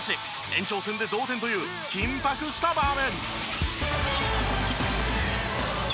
延長戦で同点という緊迫した場面。